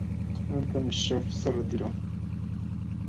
Anthony Shaffer se retiró.